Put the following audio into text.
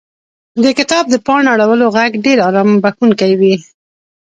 • د کتاب د پاڼو اړولو ږغ ډېر آرام بښونکی وي.